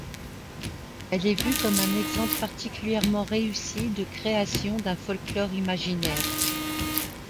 Elle est vue comme un exemple particulièrement réussi de création d'un folklore imaginaire.